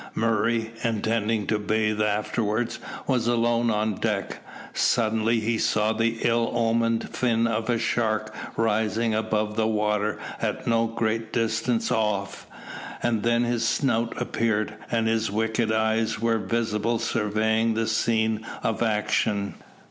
Murray, intending to bathe afterwards, was alone on deck. Suddenly he saw the ill omened fin of a shark rising above the water at no great distance off, and then his snout appeared, and his wicked eyes were visible surveying the scene of action.